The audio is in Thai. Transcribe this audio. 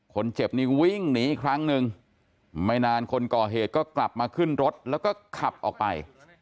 คนเจ็บนี้วิ่งหนีอีกครั้งหนึ่งไม่นานคนก่อเหตุก็กลับมาขึ้นรถแล้วก็ขับออกไป